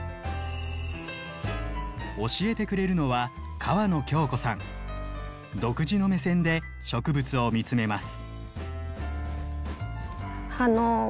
教えてくれるのは独自の目線で植物を見つめます。